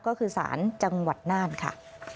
ก็คือสารจังหวัดน่านค่ะ